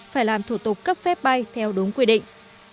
phải làm thủ tục cấp phép bay theo đúng quy định